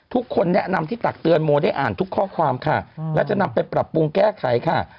ทุกคนแนะนำที่ตักเตือนโมได้อ่านทุกข้อความค่ะและจะนำไปปรับปรุงแก้ไขค่ะ